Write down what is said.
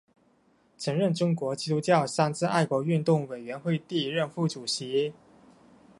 曾任中国基督教三自爱国运动委员会第一届副主席。